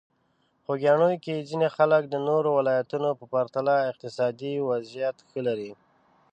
په خوږیاڼي کې ځینې خلک د نورو ولایتونو په پرتله اقتصادي وضعیت ښه لري.